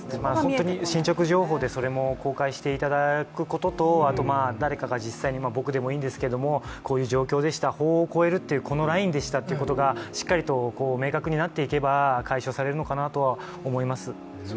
進捗情報でそれを公開していただくことと誰かが実際に、僕でもいいんですが法を超えるこのラインでしたということがしっかりと明確になっていけば解消されるのかなとは思います。